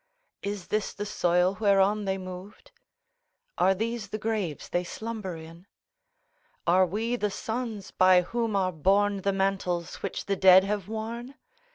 Is this the soil whereon they moved? Are these the graves they slumber in? Are we the sons by whom are borne The mantles which the dead have worn?